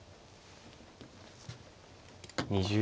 ２０秒。